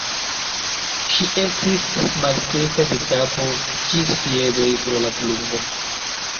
Ŝi estis malseka de kapo ĝis piedoj pro la pluvo.